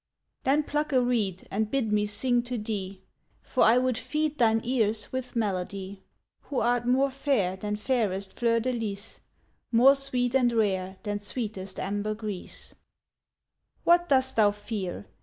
Then pluck a reed And bid me sing to thee, For I would feed Thine ears with melody, Who art more fair Than fairest fleur de lys, More sweet and rare Than sweetest ambergris. What dost thou fear?